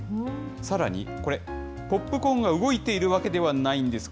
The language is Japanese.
さらにこれ、ポップコーンが動いているわけではないんです。